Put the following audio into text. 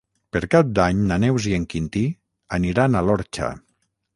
Per Cap d'Any na Neus i en Quintí aniran a l'Orxa.